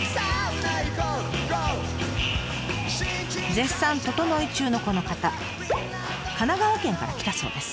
絶賛ととのい中のこの方神奈川県から来たそうです。